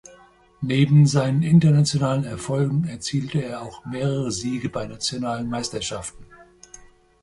Neben seinen internationalen Erfolgen erzielte er auch mehrere Siege bei nationalen Meisterschaften.